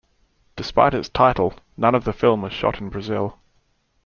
Despite its title, none of the film was shot in Brazil.